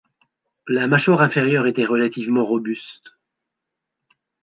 La mâchoire inférieure était relativement robuste.